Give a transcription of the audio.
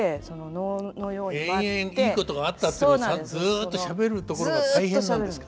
延々いいことがあったってことずっとしゃべるところが大変なんですか？